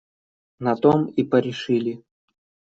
На том и порешили.